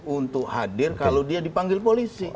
untuk hadir kalau dia dipanggil polisi